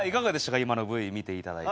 今のＶ見ていただいて。